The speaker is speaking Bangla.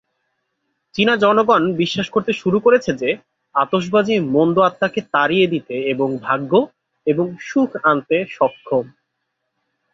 চীনা জনগণ বিশ্বাস করতে শুরু করে যে আতশবাজি মন্দ আত্মা কে তাড়িয়ে দিতে এবং ভাগ্য এবং সুখ আনতে সক্ষম।